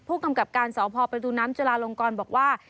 ผู้กำกับการสพประตูน้ำจุลาลงกรบอกว่า